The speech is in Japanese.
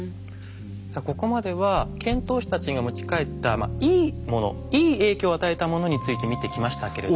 さあここまでは遣唐使たちが持ち帰ったいいものいい影響を与えたものについて見てきましたけれども。